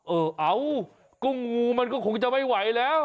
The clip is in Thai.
เออเอากุ้งงูมันก็คงจะไม่ไหวแล้ว